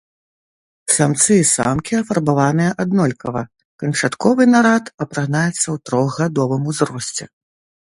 Самцы і самкі афарбаваныя аднолькава, канчатковы нарад апранаецца ў трохгадовым узросце.